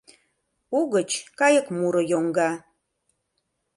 Угыч кайык муро йоҥга.